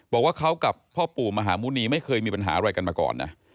บอกว่าเขากับพ่อปู่มหาหมุณีไม่เคยมีปัญหาอะไรกันมาก่อนนะ